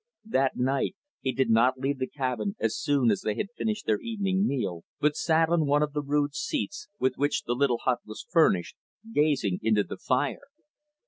That night, he did not leave the cabin as soon as they had finished their evening meal, but sat on one of the rude seats with which the little hut was furnished, gazing into the fire.